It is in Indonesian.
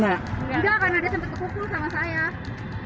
nggak karena ada yang terkukul sama saya